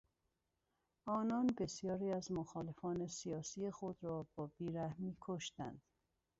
آنان بسیاری از مخالفان سیاسی خود را با بیرحمی کشتند.